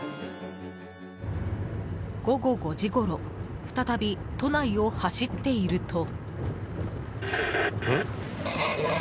午後５時ごろ再び都内を走っていると。